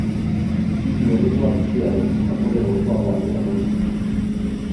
Gorringoa biziago, zapore gozoagoa du arrautzak.